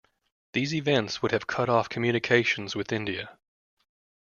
These events would have cut off communications with India.